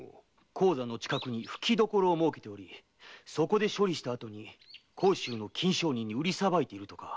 鉱山の近くに吹き所を設けておりそこで処理したあとに甲州の金商人に売りさばいているとか。